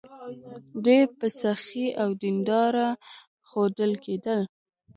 دوی به سخي او دینداره ښودل کېدل.